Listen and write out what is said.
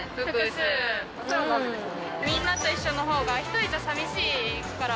みんなと一緒のほうが、１人だとさみしいから。